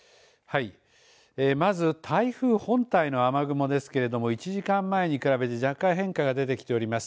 まず台風本体の雨雲ですけれども１時間前に比べ若干変化が出てきております。